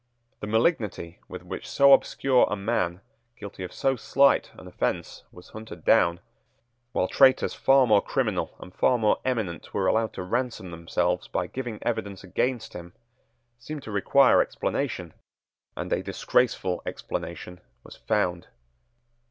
The malignity with which so obscure a man, guilty of so slight an offence, was hunted down, while traitors far more criminal and far more eminent were allowed to ransom themselves by giving evidence against him, seemed to require explanation; and a disgraceful explanation was found.